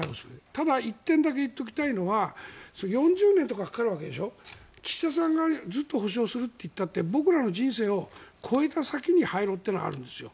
ただ１点だけ言っておきたいのは４０年とかかかるわけでしょ岸田さんがずっと補償するといったって僕らの人生を超えた先に廃炉というのはあるんですよ。